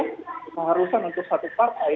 keharusan untuk satu partai